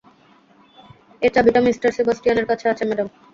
এর চাবিটা মিঃ সেবাস্টিয়ানের কাছে আছে, ম্যাডাম।